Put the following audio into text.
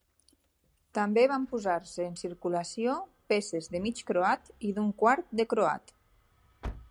També van posar-se en circulació peces de mig croat i d'un quart de croat.